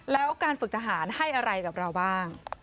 แล้วการฝึกทหารให้อะไรกับเราบ้าง